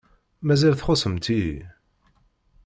Mazal txuṣṣemt-iyi.